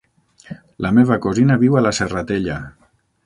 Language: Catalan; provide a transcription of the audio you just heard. La meva cosina viu a la Serratella.